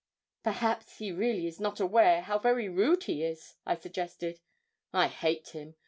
'Perhaps he really is not aware how very rude he is,' I suggested. 'I hate him.